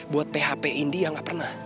buat php in dia gak pernah